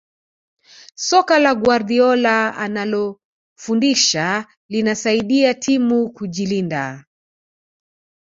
soka la guardiola analofundisha linasaidia timu kujilinda